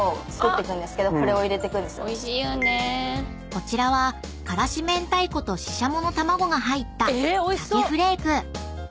［こちらは辛子明太子とししゃもの卵が入った鮭フレーク］